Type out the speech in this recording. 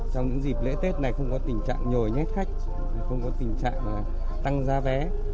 trong những dịp lễ tết này không có tình trạng nhồi nhét khách không có tình trạng tăng giá vé